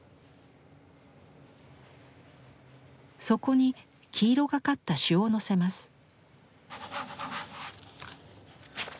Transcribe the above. そこに黄色がかった朱をのせます。